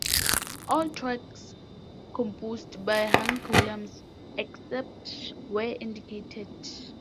All tracks composed by Hank Williams, except where indicated.